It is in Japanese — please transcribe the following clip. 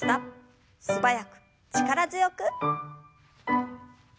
素早く力強く。